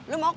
lu mau kan